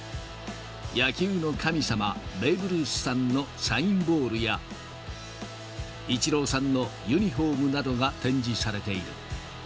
野球の神様、ベーブ・ルースさんのサインボールや、イチローさんのユニホームなどが展示されている。